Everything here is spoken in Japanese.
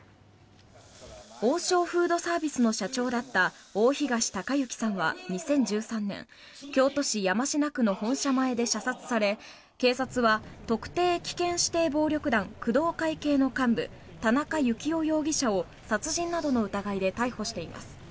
王将フードサービスの社長だった大東隆行さんは２０１３年京都市山科区の本社前で射殺され警察は特定危険指定暴力団工藤会系の幹部、田中幸雄容疑者を殺人などの疑いで逮捕しています。